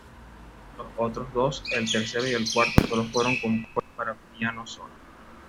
Los otros dos, el tercero y el cuarto, sólo fueron compuestos para piano solo.